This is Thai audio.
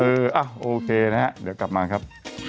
เออโอเคนะฮะเดี๋ยวกลับมาครับ